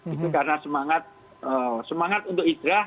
itu karena semangat semangat untuk idrah